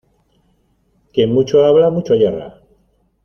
Quien mucho habla, mucho yerra.